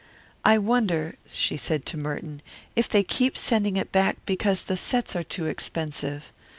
"I wonder," she said to Merton, "if they keep sending it back because the sets are too expensive.